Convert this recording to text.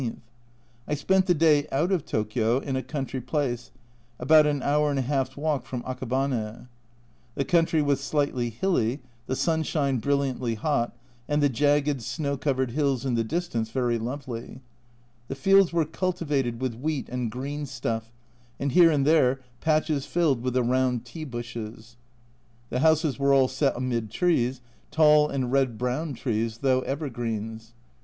I spent the day out of Tokio in a country place, about an hour and a halfs walk from Akabane. The country was slightly hilly, the sun shine brilliantly hot, and the jagged snow covered hills in the distance very lovely. The fields were cultivated with wheat and green stuff, and here and there patches filled with the round tea bushes. The A Journal from Japan 103 houses were all set amid trees, tall and red brown trees, though " evergreens."